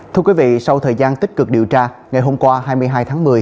thưa quý vị sau thời gian tích cực điều tra ngày hôm qua hai mươi hai tháng một mươi